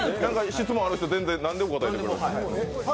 質問ある人、何でも答えてくれます